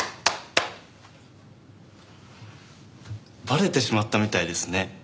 バレてしまったみたいですね。